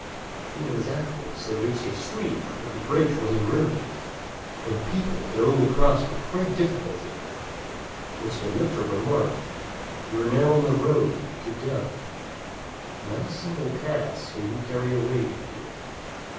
A few minutes afterwards they reached a stream where the bridge was in ruins, and people could only cross with great difficulty; at which the lictor remarked, "You are now on the road to death, and not a single cash can you carry away with you.